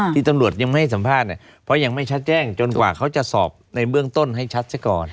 ที่ตำรวจยังไม่ให้สัมภาษณ์เนี่ยเพราะยังไม่ชัดแจ้งจนกว่าเขาจะสอบในเบื้องต้นให้ชัดซะก่อน